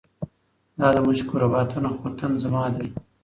دا د مشکو رباتونه خُتن زما دی